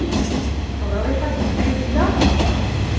Teɣṛiḍ-t akken ma yella?